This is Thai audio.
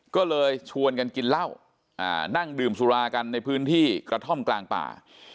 ก็เลยชวนกันกินเหล้านั่งดื่มสุรากันในพื้นที่กระท่อมกลางป่า